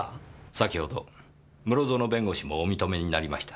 先ほど室園弁護士もお認めになりました。